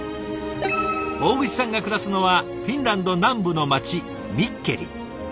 大串さんが暮らすのはフィンランド南部の街ミッケリ。